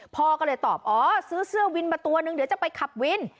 พ่อก็เลยตอบอ๋อซื้อเสื้อวินมาตัวนึงเดี๋ยวจะไปขับวิน